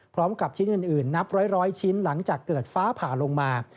พร้อมกับชิ้นอื่นนับร้อยชิ้นหลังจากเกิดฟ้าผ่าลงมา